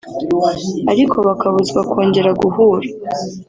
ariko bakabuzwa kongera guhura